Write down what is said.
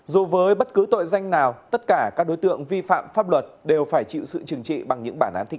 dù với bất cứ tội danh nào tất cả các đối tượng vi phạm pháp luật đều phải chịu sự chừng trị